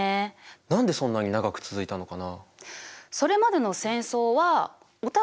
何でそんなに長く続いたのかな？